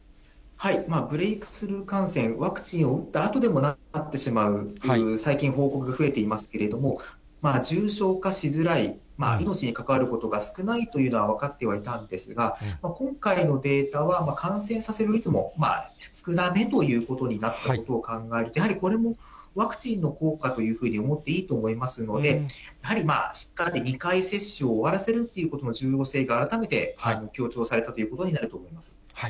ブレークスルー感染、ワクチンを打ったあとでもなってしまう、最近、報告が増えていますけれども、重症化しづらい、命に関わることが少ないというのは分かってはいたんですが、今回のデータは、感染させる率も少なめということになったことを考えると、やはりこれもワクチンの効果というふうに思っていいと思いますので、やはりしっかり２回接種を終わらせるということの重要性が改めて強調されたということになると思います。